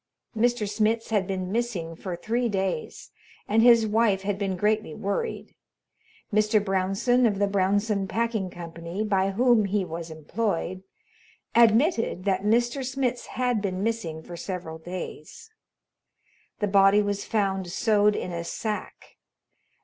Mr. Smitz had been missing for three days and his wife had been greatly worried. Mr. Brownson, of the Brownson Packing Company, by whom he was employed, admitted that Mr. Smitz had been missing for several days. The body was found sewed in a sack.